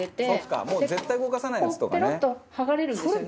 もう絶対動かさないやつとかね」